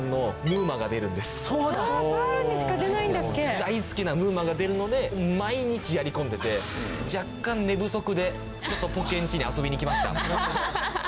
大好きなムウマが出るので毎日やり込んでて若干寝不足でポケんちに遊びに来ました。